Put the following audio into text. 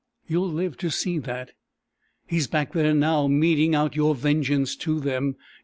You'll live to see that. He's back there now, meting out your vengeance to them.